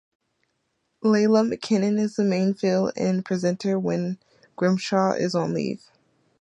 Leila McKinnon is the main fill-in presenter when Grimshaw is on leave.